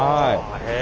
へえ。